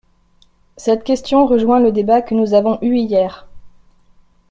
Cette question rejoint le débat que nous avons eu hier.